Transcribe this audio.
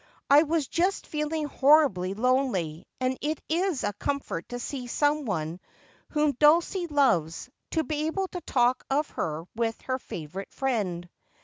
I was just feeling horribly lonely, and it is a comfort to see some one whom Dalcie loves, to be able to talk of her with her favourite friend.'